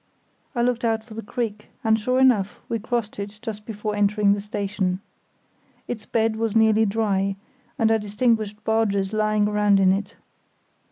I looked out for the creek, and sure enough, we crossed it just before entering the station. Its bed was nearly dry, and I distinguished barges lying aground in it.